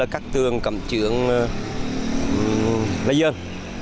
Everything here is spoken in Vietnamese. cát tường cầm trưởng lây ơn